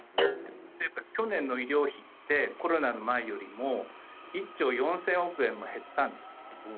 例えば、去年の医療費ってコロナの前よりも１兆４０００億円も減ったんです。